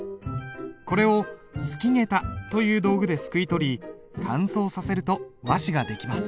これをすきげたという道具ですくい取り乾燥させると和紙ができます。